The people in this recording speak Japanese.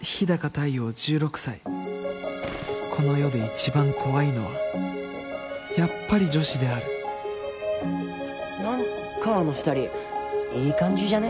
太陽１６歳この世で一番怖いのはやっぱり女子である何かあの２人いい感じじゃね？